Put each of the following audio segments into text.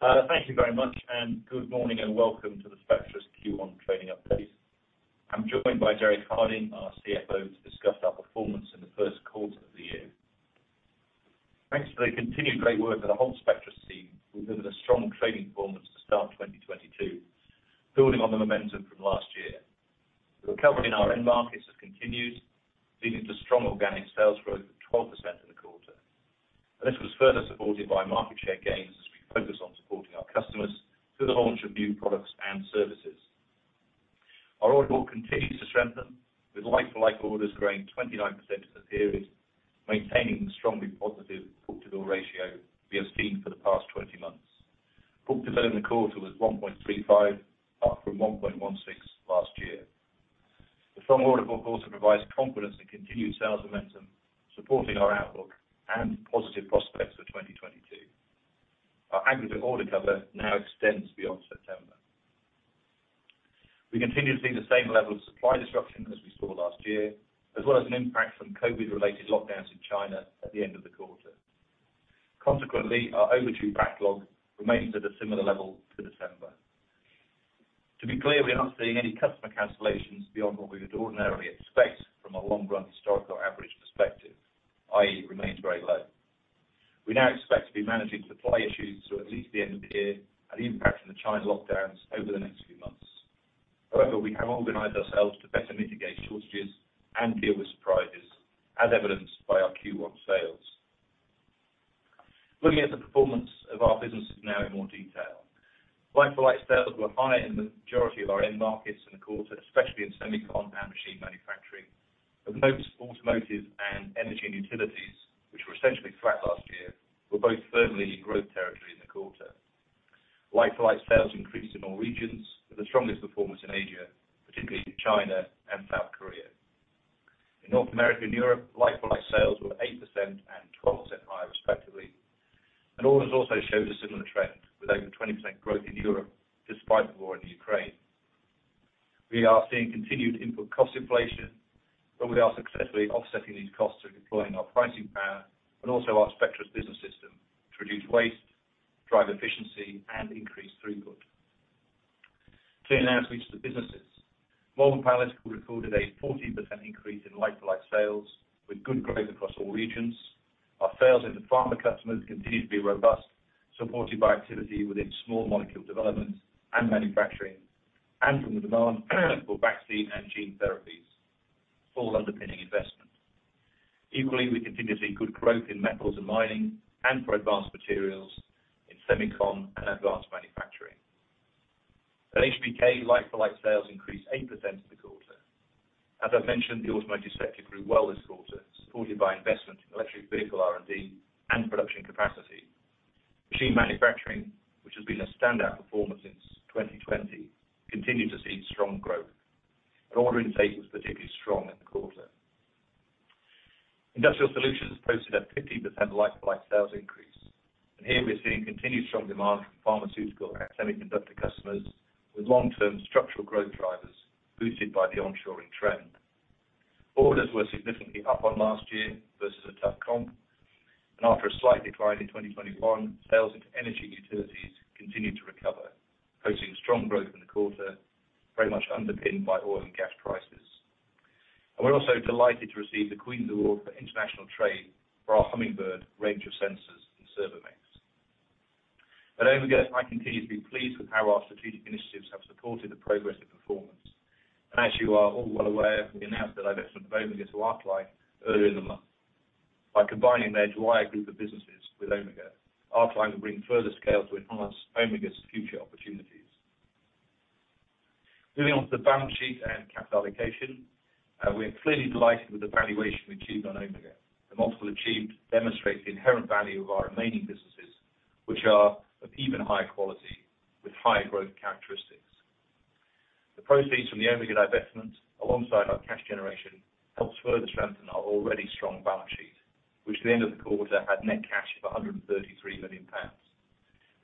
Thank you very much, and good morning and welcome to the Spectris Q1 trading update. I'm joined by Derek Harding, our CFO, to discuss our performance in the first quarter of the year. Thanks to the continued great work of the whole Spectris team, we've delivered a strong trading performance to start 2022, building on the momentum from last year. The recovery in our end markets has continued, leading to strong organic sales growth of 12% in the quarter. This was further supported by market share gains, as we focus on supporting our customers through the launch of new products and services. Our order book continues to strengthen with like-for-like orders growing 29% in the period, maintaining the strongly positive book-to-bill ratio we have seen for the past 20 months. Book-to-bill for the quarter was 1.35, up from 1.16 last year. The strong order book also provides confidence in continued sales momentum, supporting our outlook and positive prospects for 2022. Our aggregate order cover now extends beyond September. We continue to see the same level of supply disruption as we saw last year, as well as an impact from COVID-related lockdowns in China at the end of the quarter. Consequently, our overdue backlog remains at a similar level to December. To be clear, we are not seeing any customer cancellations beyond what we would ordinarily expect from a long-run historical average perspective, i.e., remains very low. We now expect to be managing supply issues through at least the end of the year, and the impact from the China lockdowns over the next few months. However, we have organized ourselves to better mitigate shortages and deal with surprises, as evidenced by our Q1 sales. Looking at the performance of our businesses now in more detail. Like-for-like sales were higher in the majority of our end markets in the quarter, especially in semiconductor and machine manufacturing. Most automotive and energy and utilities, which were essentially flat last year, were both firmly in growth territory in the quarter. Like-for-like sales increased in all regions, with the strongest performance in Asia, particularly in China and South Korea. In North America and Europe, like-for-like sales were 8% and 12% higher respectively, and orders also showed a similar trend with over 20% growth in Europe despite the war in Ukraine. We are seeing continued input cost inflation, but we are successfully offsetting these costs through deploying our pricing power and also our Spectris Business System to reduce waste, drive efficiency, and increase throughput. Turning now to each of the businesses. Malvern Panalytical recorded a 14% increase in like-for-like sales, with good growth across all regions. Our sales into pharma customers continue to be robust, supported by activity within small molecule development and manufacturing, and from the demand for vaccine and gene therapies, all underpinning investment. Equally, we continue to see good growth in metals and mining and for advanced materials in semicon and advanced manufacturing. At HBK, like-for-like sales increased 8% in the quarter. As I mentioned, the automotive sector grew well this quarter, supported by investment in electric vehicle R&D and production capacity. Machine manufacturing, which has been a standout performer since 2020, continued to see strong growth, and order intake was particularly strong in the quarter. Industrial Solutions posted a 15% like-for-like sales increase, and here we're seeing continued strong demand from pharmaceutical and semiconductor customers with long-term structural growth drivers boosted by the onshoring trend. Orders were significantly up on last year versus a tough comp, and after a slight decline in 2021, sales into energy and utilities continued to recover, posting strong growth in the quarter, very much underpinned by oil and gas prices. We're also delighted to receive the Queen's Award for Enterprise for International Trade for our Hummingbird range of sensors and Servomex. At Omega, I continue to be pleased with how our strategic initiatives have supported the progress and performance. As you are all well aware, we announced the divestment of Omega to Arcline earlier in the month. By combining their Dwyer Group of businesses with Omega, Arcline will bring further scale to enhance Omega's future opportunities. Moving on to the balance sheet and capital allocation, we are clearly delighted with the valuation we achieved on Omega. The multiple achieved demonstrates the inherent value of our remaining businesses, which are of even higher quality with higher growth characteristics. The proceeds from the Omega divestment, alongside our cash generation, helps further strengthen our already strong balance sheet, which at the end of the quarter had net cash of 133 million pounds.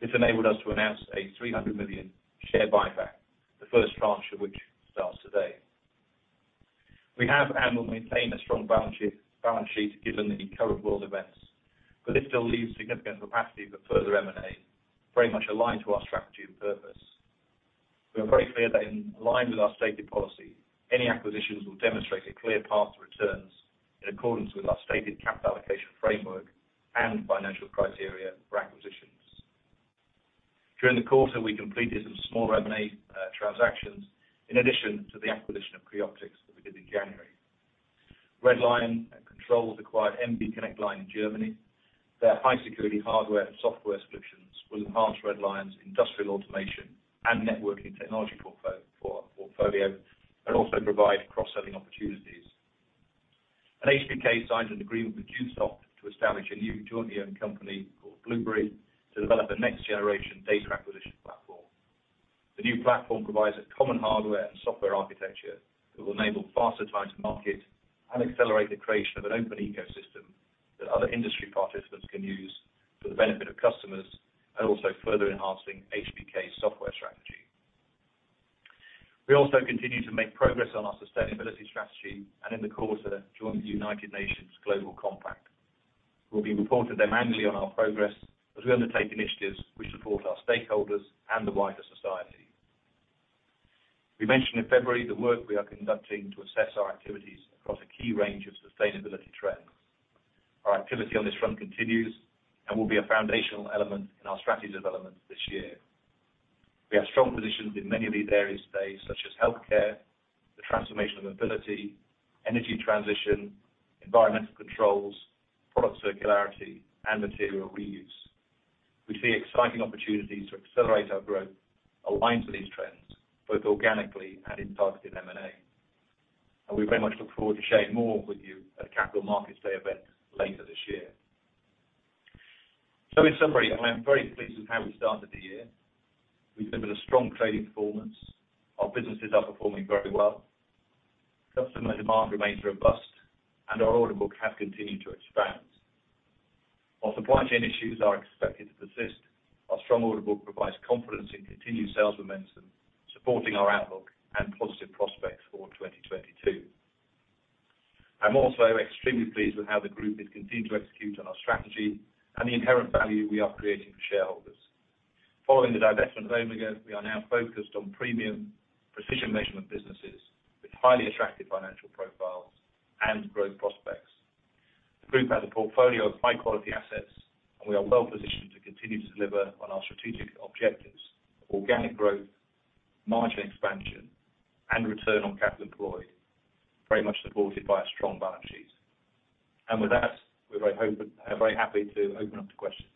This enabled us to announce a 300 million share buyback, the first tranche of which starts today. We have and will maintain a strong balance sheet given the current world events, but this still leaves significant capacity for further M&A, very much aligned to our strategy and purpose. We are very clear that in line with our stated policy, any acquisitions will demonstrate a clear path to returns in accordance with our stated capital allocation framework and financial criteria for acquisitions. During the quarter, we completed some small M&A transactions in addition to the acquisition of Creoptix that we did in January. Red Lion Controls acquired MB connect line in Germany. Their high-security hardware and software solutions will enhance Red Lion's industrial automation and networking technology portfolio, and also provide cross-selling opportunities. At HBK, signed an agreement with Dewesoft to establish a new jointly owned company called Blueberry to develop a next-generation data acquisition platform. The new platform provides a common hardware and software architecture that will enable faster time to market and accelerate the creation of an open ecosystem that other industry participants can use to the benefit of customers and also further enhancing HBK's software strength. We also continue to make progress on our sustainability strategy, and in the quarter, joined the United Nations Global Compact. We'll be reporting them annually on our progress as we undertake initiatives which support our stakeholders and the wider society. We mentioned in February the work we are conducting to assess our activities across a key range of sustainability trends. Our activity on this front continues and will be a foundational element in our strategy development this year. We have strong positions in many of these areas today, such as healthcare, the transformation of mobility, energy transition, environmental controls, product circularity, and material reuse. We see exciting opportunities to accelerate our growth aligned to these trends, both organically and in targeted M&A. We very much look forward to sharing more with you at Capital Markets Day event later this year. In summary, I am very pleased with how we started the year. We've delivered a strong trading performance. Our businesses are performing very well. Customer demand remains robust, and our order book has continued to expand. While supply chain issues are expected to persist, our strong order book provides confidence in continued sales momentum, supporting our outlook and positive prospects for 2022. I'm also extremely pleased with how the group has continued to execute on our strategy and the inherent value we are creating for shareholders. Following the divestment of Omega, we are now focused on premium precision measurement businesses with highly attractive financial profiles and growth prospects. The group has a portfolio of high-quality assets, and we are well positioned to continue to deliver on our strategic objectives, organic growth, margin expansion, and return on capital employed, very much supported by a strong balance sheet. With that, we're very happy to open up to questions.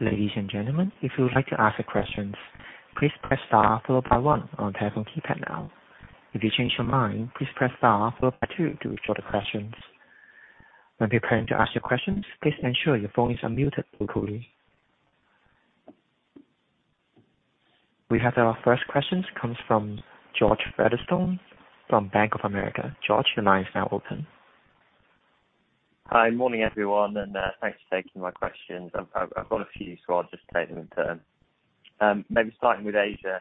Ladies and gentlemen, if you would like to ask a question, please press Star followed by One on telephone keypad now. If you change your mind, please press Star followed by Two to withdraw the questions. When preparing to ask your questions, please ensure your phone is unmuted locally. We have our first questions, comes from George Featherstone from Bank of America. George, your line is now open. Hi. Morning, everyone, and thanks for taking my questions. I've got a few, so I'll just take them in turn. Maybe starting with Asia,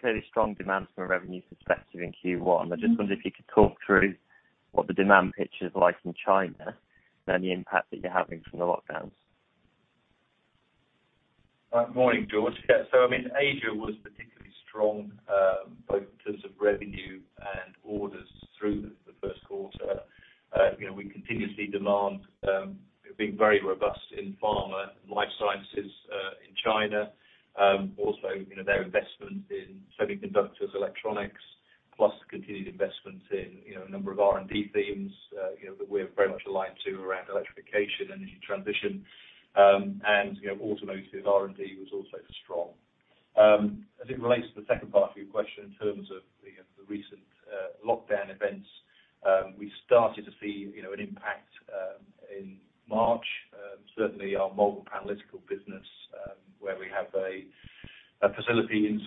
clearly strong demand from a revenue perspective in Q1. I just wondered if you could talk through what the demand picture is like in China and the impact that you're having from the lockdowns. Morning, George. Yeah, so I mean, Asia was particularly strong, both in terms of revenue and orders through the first quarter. You know, we see continuous demand being very robust in pharma and life sciences in China. Also, you know, their investment in semiconductors, electronics, plus continued investments in, you know, a number of R&D themes, you know, that we're very much aligned to around electrification, energy transition. You know, automotive R&D was also strong. As it relates to the second part of your question in terms of the recent lockdown events, we started to see, you know, an impact in March. Certainly our Malvern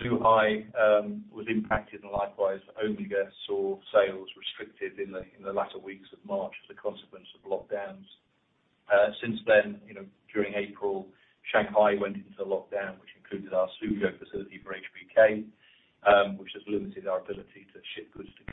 Panalytical business, where we have a facility in Zhuhai, was impacted, and likewise, Omega saw sales restricted in the latter weeks of March as a consequence of lockdowns. Since then, you know, during April, Shanghai went into lockdown, which included our Suzhou facility for HBK, which has limited our ability to ship goods to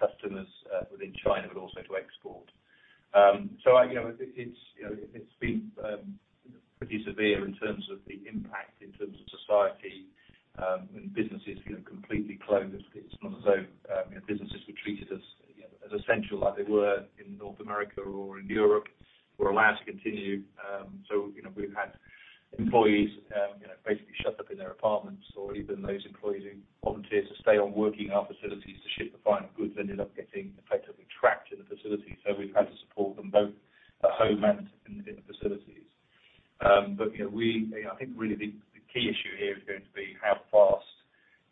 customers within China, but also to export. I, you know, it's, you know, it's been pretty severe in terms of the impact in terms of society, and businesses, you know, completely closed. It's not as though, you know, businesses were treated as, you know, as essential like they were in North America or in Europe, were allowed to continue. You know, we've had employees, you know, basically shut up in their apartments or even those employees who volunteer to stay on working in our facilities to ship the final goods ended up getting effectively trapped in the facility. We've had to support them both at home and in the facilities. You know, I think really the key issue here is going to be how fast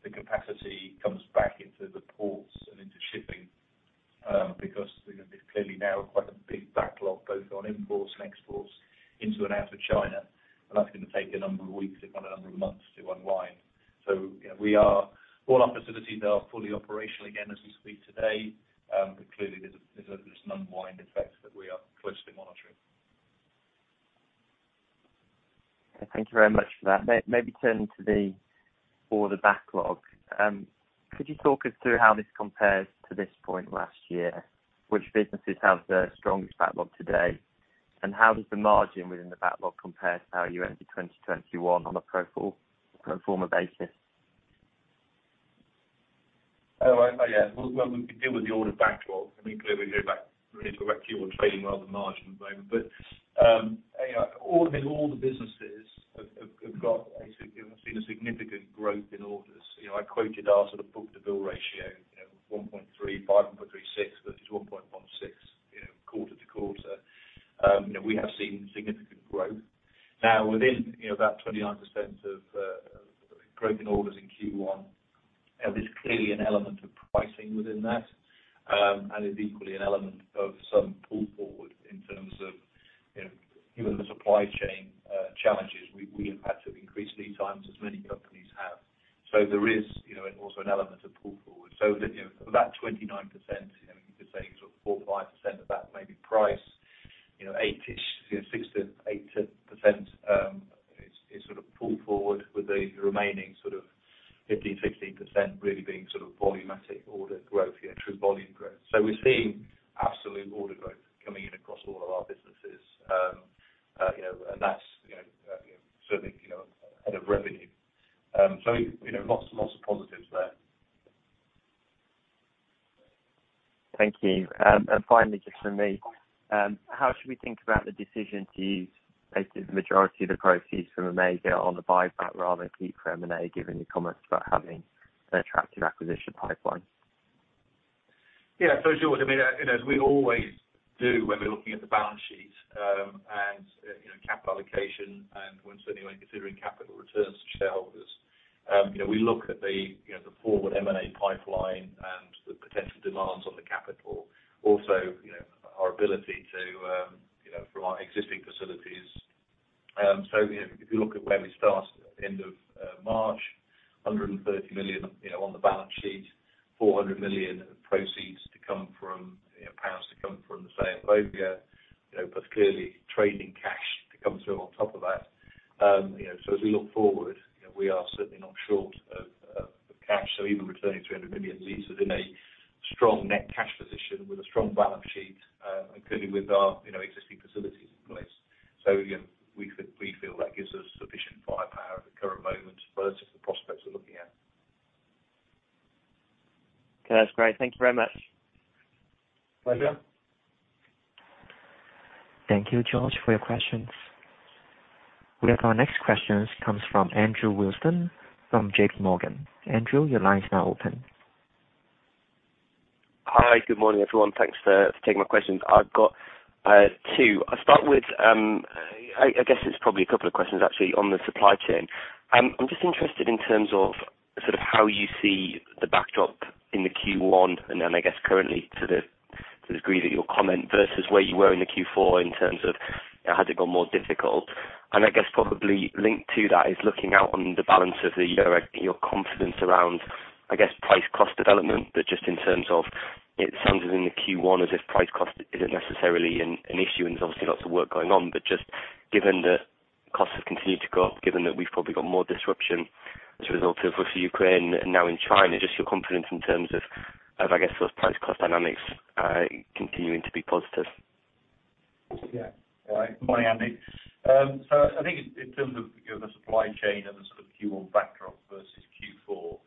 the capacity comes back into the ports and into shipping, because you know, there's clearly now quite a big backlog both on imports and exports into and out of China, and that's gonna take a number of weeks, if not a number of months, to unwind. You know, all our facilities are fully operational again as we speak today, but clearly there's an unwind effect that we are closely monitoring. Thank you very much for that. Maybe turning to the order backlog. Could you talk us through how this compares to this point last year? Which businesses have the strongest backlog today? How does the margin within the backlog compare to how you ended 2021 on a pro forma basis? Well, we can deal with the order backlog. I mean, clearly we go back really directly on trading rather than margin at the moment. You know, all the businesses have seen a significant growth in orders. You know, I quoted our sort of book-to-bill ratio, you know, 1.35, 1.36. That is 1.16, you know, quarter to quarter. You know, we have seen significant growth. Now within that 29% growth in orders in Q1, there's clearly an element of pricing within that, and there is equally an element of some pull forward in terms of, you know, given the supply chain challenges, we have had to increase lead times as many companies. There is also an element of pull forward. You know, about 29%, you know, you could say sort of 4%-5% of that may be price. You know, 8-ish%, you know, 6%-8% is sort of pull forward with the remaining sort of 15%-16% really being sort of volumetric order growth, you know, true volume growth. We're seeing absolute order growth coming in across all of our businesses. You know, and that's certainly ahead of revenue. you know, lots and lots of positives there. Thank you. Finally, just from me, how should we think about the decision to use basically the majority of the proceeds from Omega on the buyback rather than keep for M&A, given your comments about having an attractive acquisition pipeline? Yeah. George, I mean, you know, as we always do when we're looking at the balance sheet, and you know, capital allocation and we're certainly considering capital returns to shareholders, you know, we look at the you know, the forward M&A pipeline and the potential demands on the capital. Also, you know, our ability to you know, from our existing facilities. If you look at where we started at the end of March, 130 million you know, on the balance sheet, 400 million of proceeds to come from you know, pounds to come from the sale of Omega, you know. Clearly trading cash to come through on top of that. You know, as we look forward, you know, we are certainly not short of cash. Even returning 300 million leaves us in a strong net cash position with a strong balance sheet, including with our, you know, existing facilities in place. You know, we feel that gives us sufficient firepower at the current moment versus the prospects we're looking at. Okay. That's great. Thank you very much. Pleasure. Thank you, George, for your questions. We have our next question comes from Andrew Wilson from J.P. Morgan. Andrew, your line is now open. Hi. Good morning, everyone. Thanks for taking my questions. I've got two. I'll start with, I guess it's probably a couple of questions actually on the supply chain. I'm just interested in terms of sort of how you see the backdrop in the Q1, and then I guess currently to the degree that you'll comment, versus where you were in the Q4 in terms of, you know, had it gone more difficult? And I guess probably linked to that is looking out on the balance of the year, your confidence around, I guess, price cost development. Just in terms of it sounds as in the Q1 as if price cost isn't necessarily an issue and there's obviously lots of work going on. Just given that costs have continued to go up, given that we've probably got more disruption as a result of Russia, Ukraine, and now in China, just your confidence in terms of I guess those price cost dynamics continuing to be positive? Yeah. All right. Good morning, Andy. I think in terms of, you know, the supply chain and the sort of Q1 backdrop versus Q4,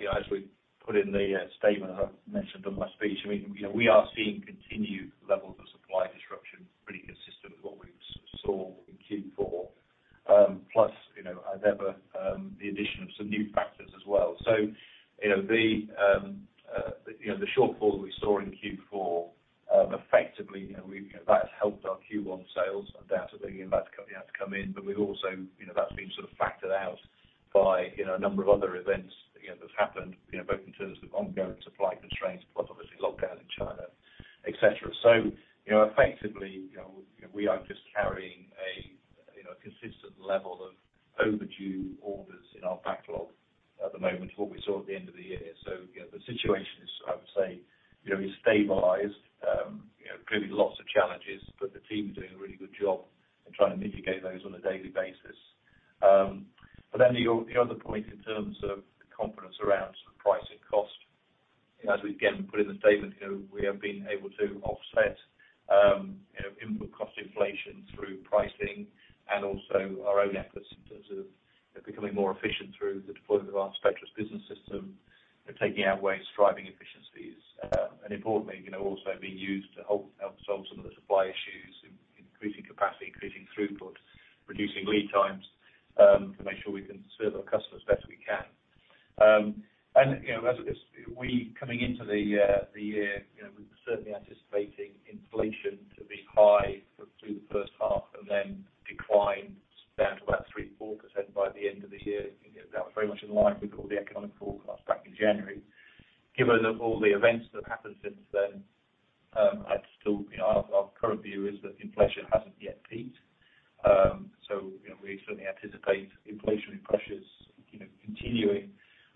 you know, as we put in the statement, as I mentioned in my speech, I mean, you know, we are seeing continued levels of supply disruption pretty consistent with what we saw in Q4. Plus, you know, however, the addition of some new factors as well.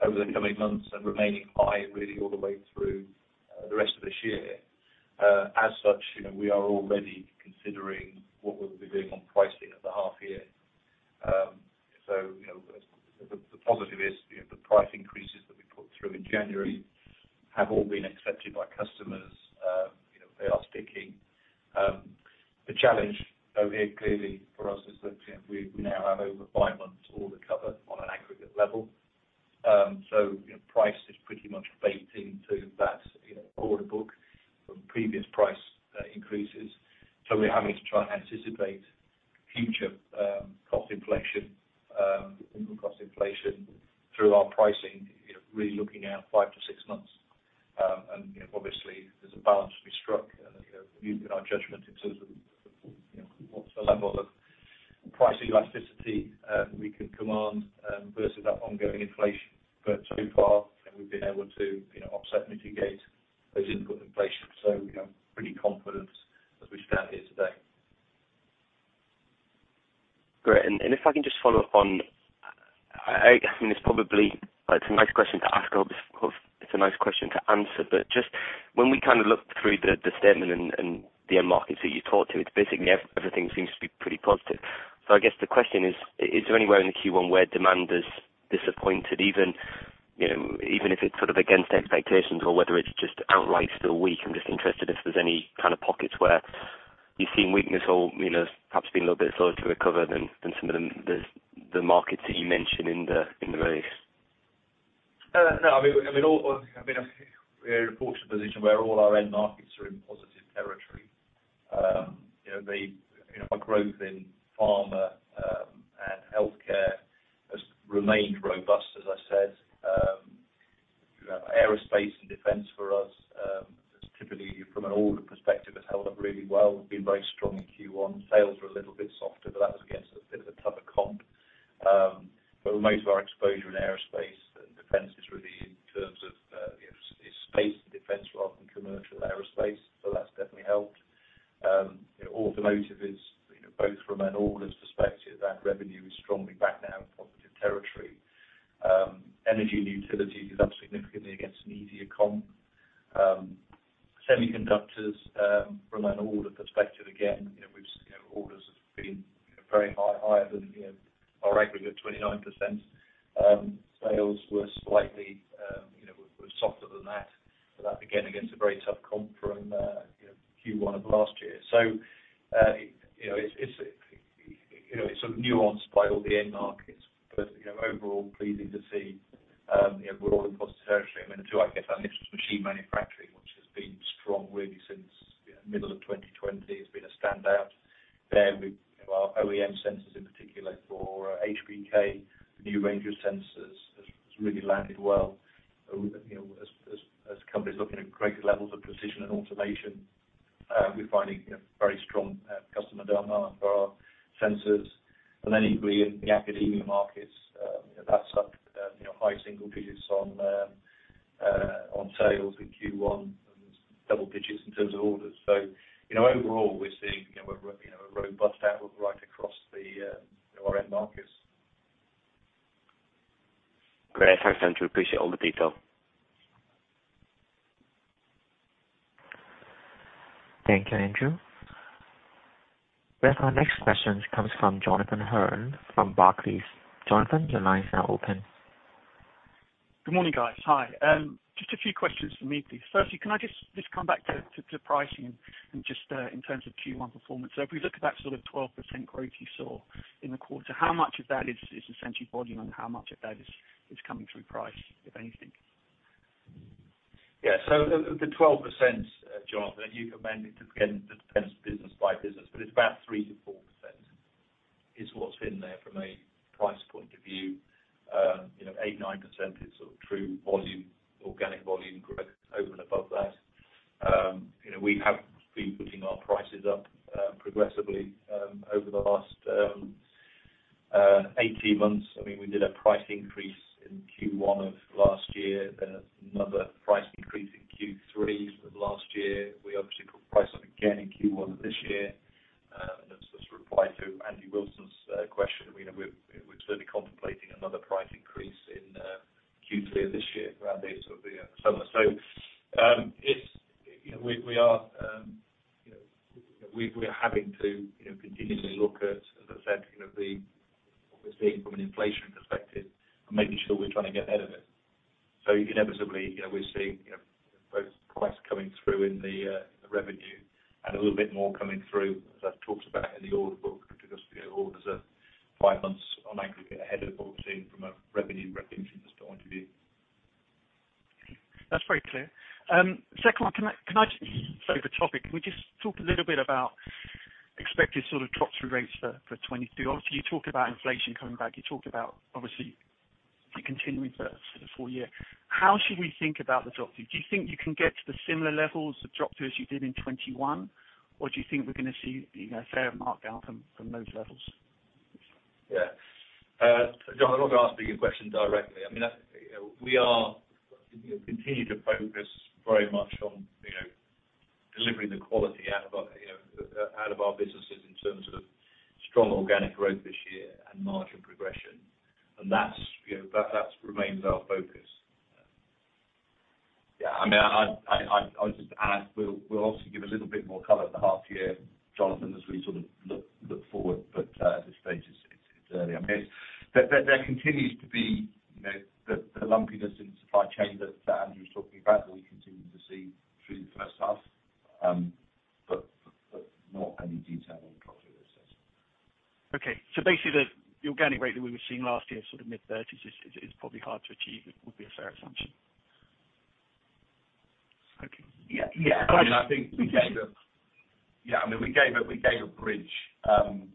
over the coming months and remaining high really all the way through the rest of this year. As such, you know, we are already considering what we'll be doing on pricing at the half year. You know, the positive is, you know, the price increases that we put through in January have all been accepted by customers. You know, they are sticking. The challenge though here clearly for us is that, you know, we now have over five months order cover on an aggregate level. You know, price is pretty much baked into that, you know, order book from previous price increases. We're having to try and anticipate future cost inflation, input cost inflation through our pricing, you know, really looking out five to six months. You know, obviously there's a balance you know, that's up, you know, high single digits on sales in Q1 and double digits in terms of orders. Overall, we're seeing, you know, a robust outlook right across the, you know, our end markets. Great. Thanks, Andrew. Appreciate all the detail. Thank you, Andrew. Well, our next question comes from Jonathan Hurn from Barclays. Jonathan, your line is now open. Good morning, guys. Hi. Just a few questions from me, please. Firstly, can I just come back to pricing and just in terms of Q1 performance? If we look at that sort of 12% growth you saw in the quarter, how much of that is essentially volume and how much of that is coming through price, if anything? Yeah. The 12%, Jonathan, again, it depends business by business, but it's about 3%-4% is what's in there from a price point of view. You know, 8%-9% is sort of true volume, organic volume growth over and above that. You know, we have been putting our prices up progressively over the last 18 months. I mean, we did a price increase in Q1 of last year, then another price increase in Q3 of last year. We obviously put price up again in Q1 of this year. As a reply to Andy Wilson's question, you know, we're certainly contemplating another price increase in Q3 of this year around the sort of summer. It's, you know, we are, you know, we're having to, you know, continuously look at, as I said, you know, what we're seeing from an inflation perspective and making sure we're trying to get ahead of it. Inevitably, you know, we're seeing, you know, both price coming through in the revenue and a little bit more coming through, as I've talked about in the order book because, you know, orders are five months on aggregate ahead of what we're seeing from a revenue recognition point of view. That's very clear. Second one, can I just... Sorry, the topic. Can we just talk a little bit about expected sort of drop-through rates for 2023? Obviously, you talked about inflation coming back. You talked about obviously continuing for the full year. How should we think about the drop-through? Do you think you can get to the similar levels of drop-through as you did in 2021? Or do you think we're gonna see, you know, a fair markdown from those levels? Yeah. Jonathan, not to dodge the question directly, I mean, that's, you know, we are, you know, continuing to focus very much on, you know, delivering the quality out of our businesses in terms of strong organic growth this year and margin progression. That's, you know, that remains our focus. Yeah. I mean, I'd just add, we'll obviously give a little bit more color at the half year, Jonathan, as we sort of look forward, but at this stage it's early. I mean, there continues to be, you know, the lumpiness in supply chain that Andrew was talking about that we continue to see through the first half. But not any detail on the drop-through itself. Okay. Basically the organic rate that we were seeing last year, sort of mid-30s% is probably hard to achieve, would be a fair assumption? Okay. Yeah. Yeah. I mean, I think we gave a- Can I just- I mean, we gave a bridge to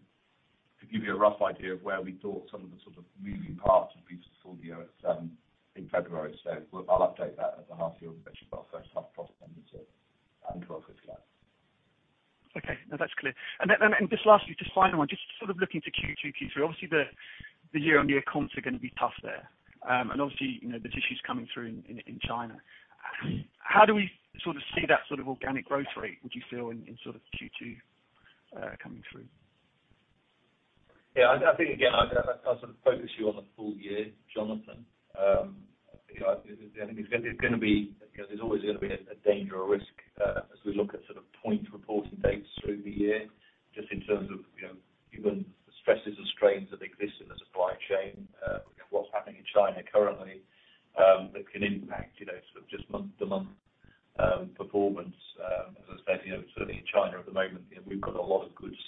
give you a rough idea of where we thought some of the sort of moving parts would be to the full year in February. I'll update that at the half year, which should be our first half profit numbers at 12:55. Okay. No, that's clear. Just lastly, final one, just sort of looking to Q2, Q3. Obviously the year-on-year comps are going to be tough there. Obviously, you know, there's issues coming through in China. How do we sort of see that sort of organic growth rate, would you feel in sort of Q2 coming through? Yeah, I think again, I sort of focus you on the full year, Jonathan. You know, I think it's gonna be, you know, there's always gonna be a danger or risk, as we look at sort of point reporting dates through the year, just in terms of, you know, human stresses and strains that exist in the supply chain, what's happening in China currently, that can impact, you know, sort of just month to month, performance. As I said, you know, certainly in China at the moment, you know, we've got a lot of goods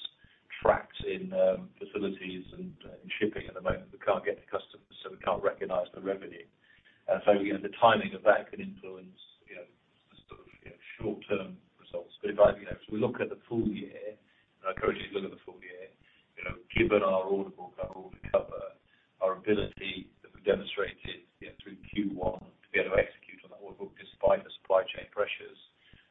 trapped in, facilities and shipping at the moment that can't get to customers, so we can't recognize the revenue. So, you know, the timing of that can influence, you know, the sort of, you know, short-term results. If I, you know, as we look at the full year, and I encourage you to look at the full year, you know, given our order book cover, our ability that we demonstrated, you know, through Q1 to be able to execute on the order book despite the supply chain pressures,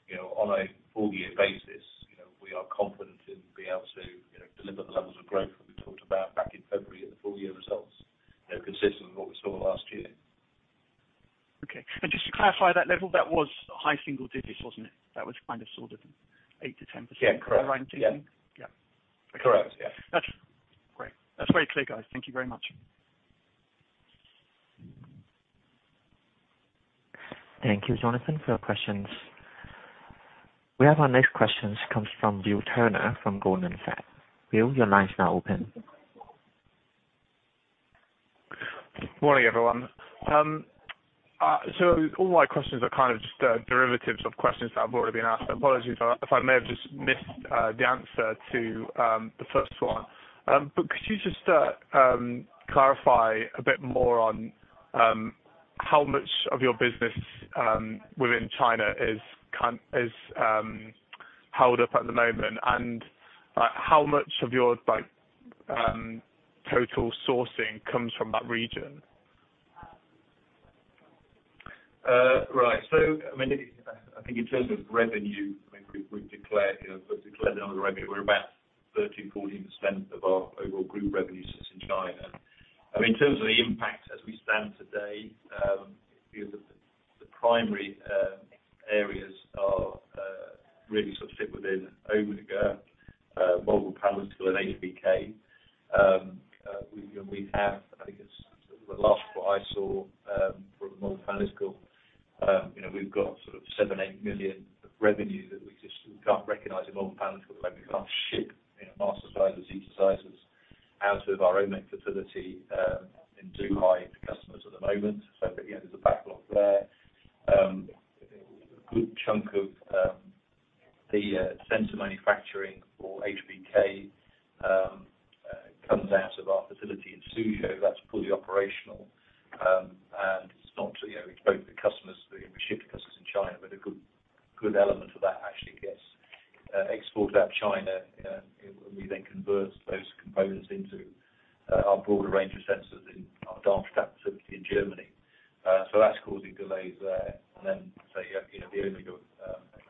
you know, on a full year basis, you know, we are confident in being able to, you know, deliver the levels of growth that we talked about back in February at the full year results, you know, consistent with what we saw last year. Okay. Just to clarify that level, that was high single digits, wasn't it? That was kind of sort of 8%-10%. Yeah. Correct. Range, do you think? Yeah. Correct. Yeah. That's great. That's very clear, guys. Thank you very much. Thank you, Jonathan, for your questions. We have our next question comes from Bill Turner from Goldman Sachs. Bill, your line is now open. Morning, everyone. All my questions are kind of just derivatives of questions that have already been asked. Apologies if I may have just missed the answer to the first one. Could you just clarify a bit more on how much of your business within China is held up at the moment? How much of your, like, total sourcing comes from that region? Right. I mean, I think in terms of revenue, I mean, we declared, you know, the other revenue, we're about 13%-14% of our overall group revenue sits in China. I mean, in terms of the impact as we stand today, you know, the primary areas are really sort of sit within Omega, Malvern Panalytical and HBK. We have, I think it's the last of what I saw, from Malvern Panalytical, you know, we've got sort of 7 million-8 million of revenue that we just can't recognize in Malvern Panalytical. We can't ship, you know, Mastersizer, Zetasizer out of our own facility in Zhuhai to customers at the moment. There's a backlog there. A good chunk of the sensor manufacturing for HBK comes out of our facility in Suzhou. That's fully operational. It's not, you know, it's both the customers we ship to customers in China, but a good element of that actually gets exported out China. We then convert those components into our broader range of sensors in our Darmstadt facility in Germany. That's causing delays there. You know, the Omega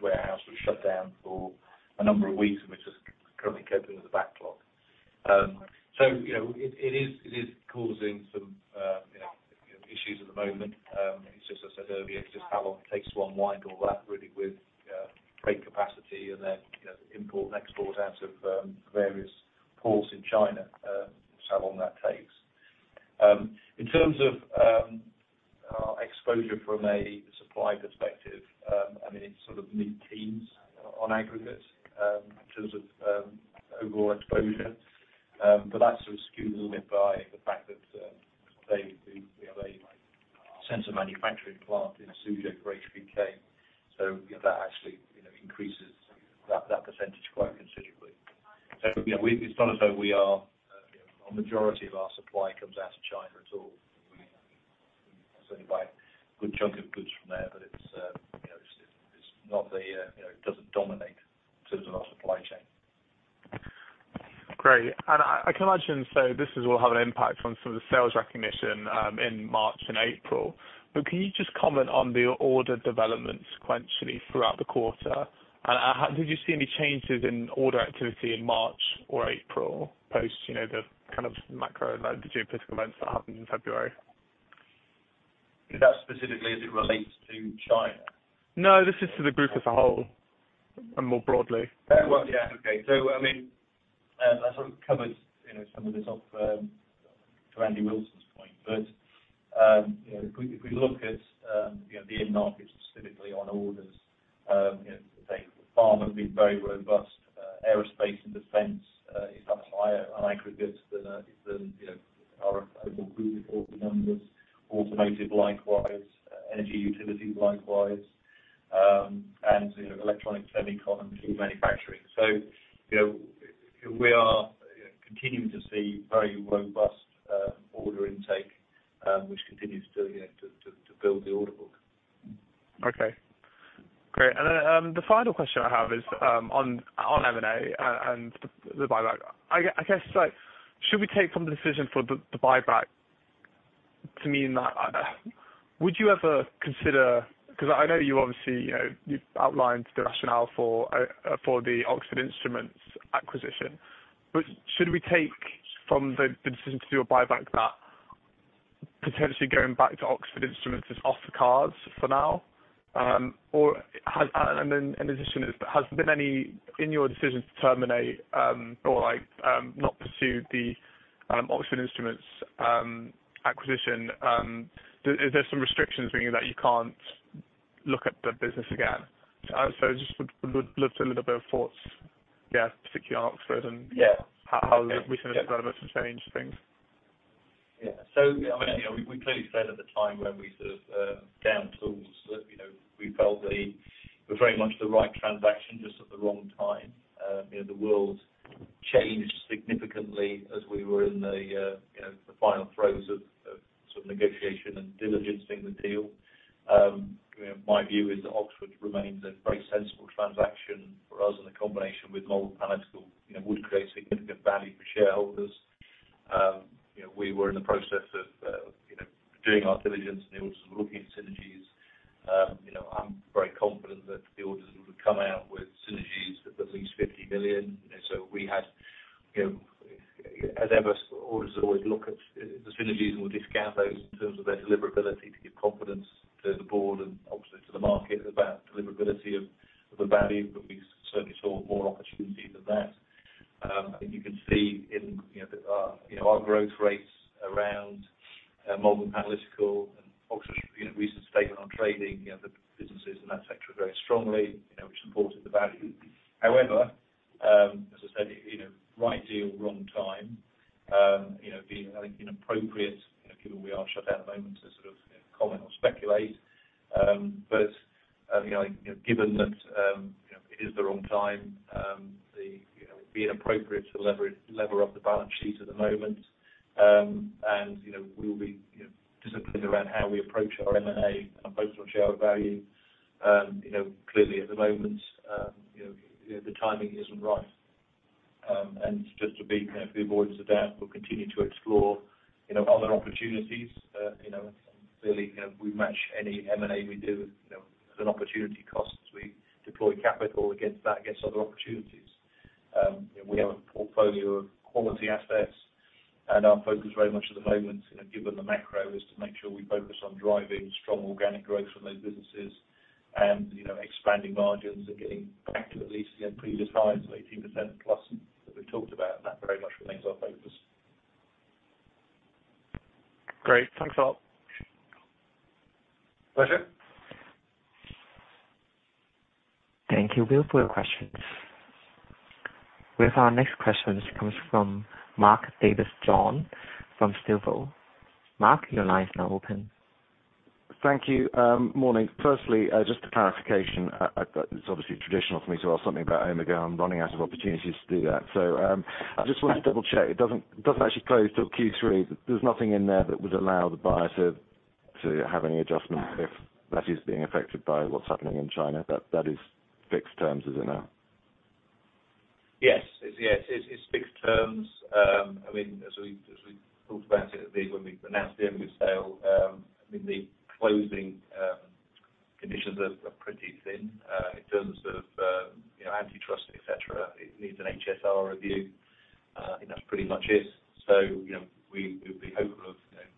warehouse was shut down for a number of weeks, and we're just currently coping with the backlog. You know, it is causing some issues at the moment. It's just as I said earlier, it's just how long it takes to unwind all that really with freight capacity and then, you know, import and export out of various ports in China, how long that takes. In terms of exposure from a supply perspective, I mean, it's sort of mid-teens on aggregate, in terms of overall exposure. That's sort of skewed a little bit by the fact that we have a sensor manufacturing plant in Suzhou for HBK. That actually, you know, increases that percentage quite considerably. You know, it's not as though we are, you know, a majority of our supply comes out of China at all. We certainly buy a good chunk of goods from there, but it's, you know, it's not the, you know, it doesn't dominate in terms of our supply chain. Great. I can imagine, so this will have an impact on some of the sales recognition in March and April. Can you just comment on the order development sequentially throughout the quarter? Did you see any changes in order activity in March or April post, you know, the kind of macro, like the geopolitical events that happened in February? That specifically as it relates to China? No, this is to the group as a whole, and more broadly. Well, yeah. Okay. I mean, I sort of covered, you know, some of this off, to Andy Wilson's point. You know, if we look at the end markets specifically on orders, you know, say pharma being very robust, aerospace and defense is up higher on aggregates than, you know, our global group order numbers. Automotive, likewise, energy utilities, likewise, and, you know, electronics, semiconductors and food manufacturing. You know, we are continuing to see very robust order intake, which continues to, you know, to build the order book. Okay. Great. The final question I have is on M&A and the buyback. I guess, like, should we take from the decision for the buyback to mean that would you ever consider. Because I know you obviously, you know, you've outlined the rationale for the Oxford Instruments acquisition. But should we take from the decision to do a buyback that potentially going back to Oxford Instruments is off the cards for now? Or has, and then in addition, has there been any in your decisions to terminate or like not pursue the Oxford Instruments acquisition, there, is there some restrictions meaning that you can't look at the business again? So just would love to hear a little bit of thoughts, yeah, particularly on Oxford. Yeah. How recent developments have changed things? Yeah. I mean, you know, we clearly said at the time when we sort of downed tools that, you know, we felt that it was very much the right transaction, just at the wrong time. You know, the world changed significantly as we were in the final throes of sort of negotiation and diligencing the deal. You know, my view is that Oxford remains a very sensible transaction for us, and the combination with Malvern Panalytical, you know, would create significant value for shareholders. You know, we were in the process of doing our diligence, and we were just looking at synergies. You know, I'm very confident that the auditors would come out with synergies of at least 50 million. We had, you know, as ever, auditors always look at the synergies, and we discount those in terms of their deliverability to give confidence to the board and obviously to the market about deliverability of the value, but we certainly saw more opportunity than that. I think you can see in, you know, our growth rates around Malvern Panalytical and Oxford Instruments', you know, recent statement on trading, you know, the businesses and that sector very strongly, you know, which supported the value. However, as I said, you know, right deal, wrong time. You know, it would be, I think, inappropriate, you know, given we are shut down at the moment to sort of comment or speculate. You know, given that, you know, it is the wrong time. You know, it would be inappropriate to lever up the balance sheet at the moment. You know, we will be, you know, disciplined around how we approach our M&A and focus on shareholder value. You know, clearly at the moment, you know, the timing isn't right. Just to be for the avoidance of doubt, we'll continue to explore, you know, other opportunities. You know, clearly, you know, we match any M&A we do, you know, with an opportunity cost as we deploy capital against that, other opportunities. You know, we have a portfolio of quality assets, and our focus very much at the moment, you know, given the macro, is to make sure we focus on driving strong organic growth from those businesses and, you know, expanding margins and getting back to at least the previous highs of 18%+ that we talked about. That very much remains our focus. Great. Thanks, all. Pleasure. Thank you, Bill, for your questions. We have our next question. This comes from Mark Davies Jones from Stifel. Mark, your line is now open. Thank you. Morning. Firstly, just a clarification. It's obviously traditional for me to ask something about Omega. I'm running out of opportunities to do that. I just wanted to double-check. It doesn't actually close till Q3. There's nothing in there that would allow the buyer to have any adjustment if that is being affected by what's happening in China. That is fixed terms, is it now? Yes. Yes. It's fixed terms. I mean, as we talked about it, when we announced the sale, I mean, the closing conditions are pretty thin, in terms of, you know, antitrust, et cetera. It needs an HSR review. I think that's pretty much it. You know, we'll be hopeful of, you know,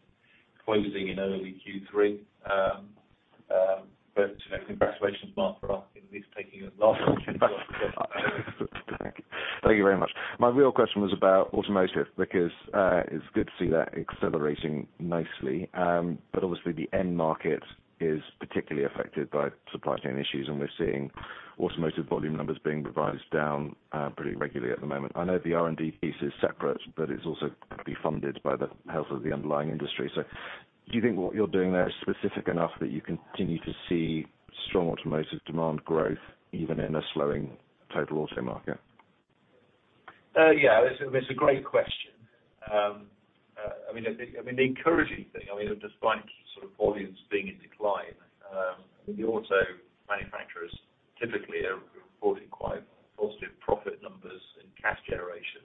closing in early Q3. But, you know, congratulations, Mark, for at least taking the last opportunity. Thank you. Thank you very much. My real question was about automotive, because it's good to see that accelerating nicely. But obviously the end market is particularly affected by supply chain issues, and we're seeing automotive volume numbers being revised down pretty regularly at the moment. I know the R&D piece is separate, but it's also gonna be funded by the health of the underlying industry. Do you think what you're doing there is specific enough that you continue to see strong automotive demand growth, even in a slowing total auto market? It's a great question. I mean, the encouraging thing, I mean, despite sort of volumes being in decline, the auto manufacturers typically are reporting quite positive profit numbers and cash generation,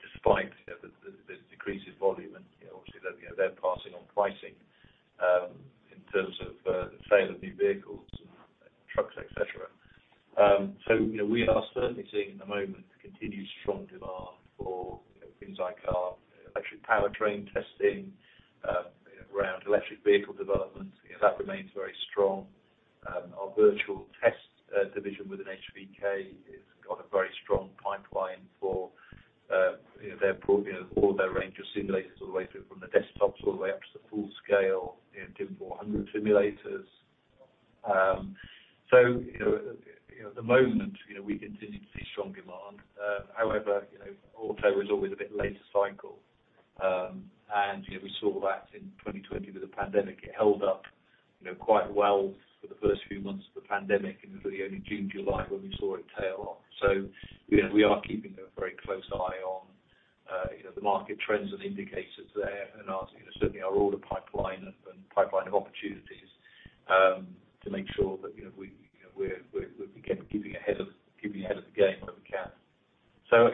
despite, you know, this decrease in volume. You know, obviously they're passing on pricing, you know, in terms of the sale of new vehicles and trucks, et cetera. You know, we are certainly seeing at the moment continued strong demand for, you know, things like our electric powertrain testing, around electric vehicle development. You know, that remains very strong. Our Virtual Test Division within HBK has got a very strong pipeline for, you know, their pro... You know, all of their range of simulators all the way through from the desktops all the way up to the full scale, you know, 200-400 simulators. So, you know, at the moment, you know, we continue to see strong demand. However, you know, auto is always a bit later cycle. We saw that in 2020 with the pandemic. It held up, you know, quite well for the first few months of the pandemic, and it was only June, July when we saw it tail off. You know, we are keeping a very close eye on, you know, the market trends and indicators there and assessing, you know, certainly our order pipeline and pipeline of opportunities, to make sure that, you know, we, you know, we're again, keeping ahead of the game where we can.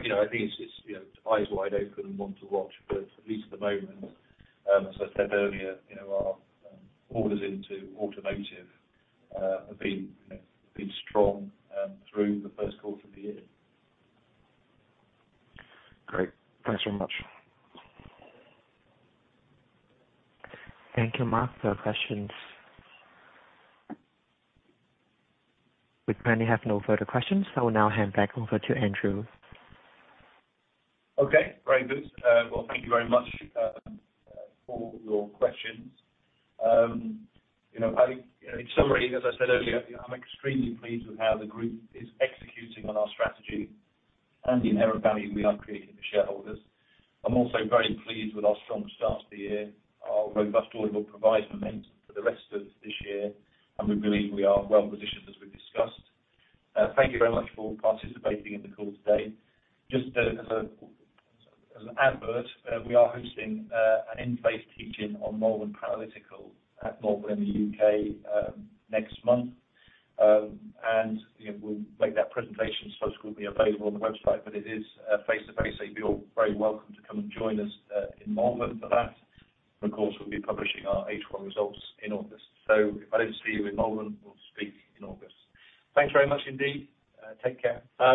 You know, I think it's, you know, eyes wide open and one to watch, but at least at the moment, as I said earlier, you know, our orders into automotive have been strong through the first quarter of the year. Great. Thanks very much. Thank you, Mark, for your questions. We currently have no further questions, so I will now hand back over to Andrew. Okay. Very good. Well, thank you very much for your questions. You know, I think, you know, in summary, as I said earlier, you know, I'm extremely pleased with how the group is executing on our strategy and the inherent value we are creating for shareholders. I'm also very pleased with our strong start to the year. Our robust order will provide momentum for the rest of this year, and we believe we are well positioned as we've discussed. Thank you very much for participating in the call today. Just, as a, as an advert, we are hosting an in-person teach-in on Malvern Panalytical at Malvern in the U.K., next month. You know, we'll make that presentation subsequently available on the website, but it is face-to-face, so you're all very welcome to come and join us in Malvern for that. Of course, we'll be publishing our H1 results in August. If I don't see you in Malvern, we'll speak in August. Thanks very much indeed. Take care. Bye.